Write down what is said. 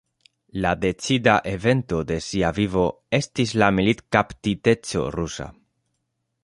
La decida evento de sia vivo estis la militkaptiteco rusa.